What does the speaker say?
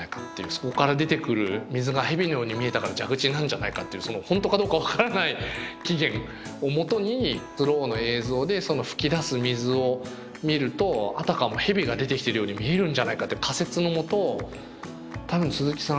そこから出てくる水が蛇のように見えたから蛇口なんじゃないかっていう本当かどうか分からない起源をもとにスローの映像でそのふき出す水を見るとあたかも蛇が出てきてるように見えるんじゃないかっていう仮説のもと多分鈴木さん